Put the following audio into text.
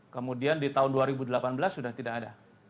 kemudian di tahun dua ribu delapan belas sudah tidak ada